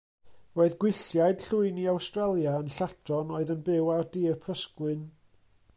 Roedd Gwylliaid Llwyni Awstralia yn lladron oedd yn byw ar dir prysglwyn.